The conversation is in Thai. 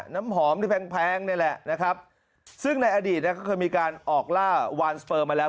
น้ำหอมที่แพงแพงนี่แหละนะครับซึ่งในอดีตก็เคยมีการออกล่าวานสเปอร์มาแล้ว